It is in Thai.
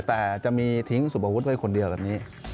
แต่จะมีทิ้งสุปุ๊ดไว้คนเดียวแบบนี้